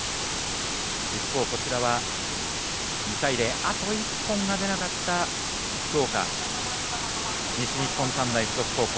一方、２対０あと１本が出なかった福岡、西日本短大付属高校。